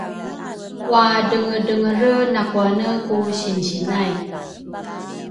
Wadrengedrengere nakwane ku sinsi nay